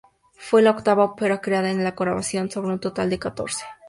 Fue la octava ópera creada en colaboración, sobre un total de catorce.